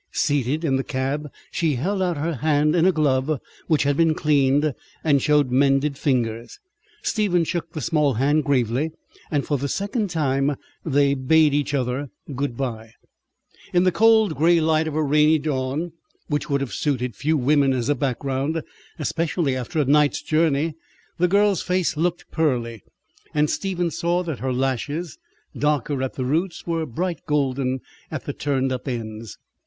Seated in the cab, she held out her hand in a glove which had been cleaned, and showed mended fingers. Stephen shook the small hand gravely, and for the second time they bade each other good bye. In the cold grey light of a rainy dawn, which would have suited few women as a background, especially after a night journey, the girl's face looked pearly, and Stephen saw that her lashes, darker at the roots, were bright golden at the turned up ends.